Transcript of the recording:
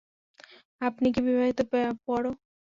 আপনি কি বিবাহিত, পোয়ারো?